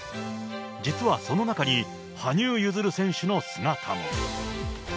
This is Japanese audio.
実はその中に、羽生結弦選手の姿も。